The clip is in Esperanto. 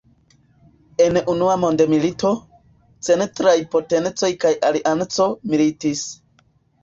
En Unua Mondmilito, Centraj Potencoj kaj Alianco militis.